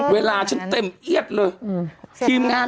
เวลาเต้มเอียดเลย